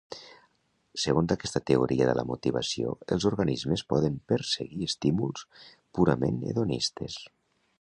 Segons aquesta teoria de la motivació els organismes poden perseguir estímuls purament hedonistes.